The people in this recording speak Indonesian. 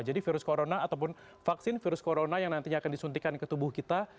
jadi virus corona ataupun vaksin virus corona yang nantinya akan disuntikkan ke tubuh kita